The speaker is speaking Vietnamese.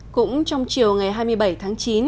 cũng trong chiều ngày hai mươi bảy tháng chín